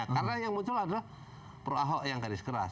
karena yang muncul adalah pro ahok yang garis keras